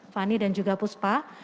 fani dan juga puspa